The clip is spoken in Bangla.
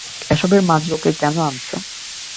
এসবের মাঝে ওকে কেন আনছ?